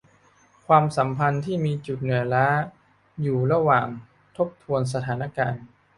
ความสัมพันธ์ที่มีจุดเหนื่อยล้าอยู่ระหว่างทบทวนสถานการณ์